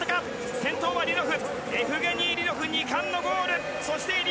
先頭はエフゲニー・リロフ２冠のゴール